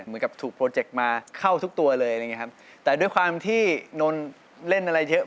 เหมือนกับถูกโปรเจกต์มาเข้าทุกตัวเลยอะไรอย่างเงี้ครับแต่ด้วยความที่นนท์เล่นอะไรเยอะ